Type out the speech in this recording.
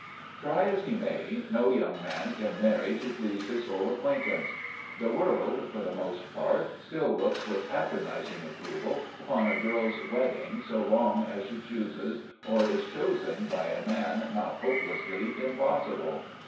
Try as he may, no young man can marry to please his whole acquaintance. The world, for the most part, still looks with patronizing approval upon a girl's wedding so long as she chooses or is chosen by a man not hopelessly impossible.